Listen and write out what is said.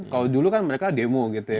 kalau dulu kan mereka demo gitu ya